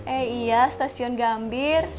eh iya stasiun gambir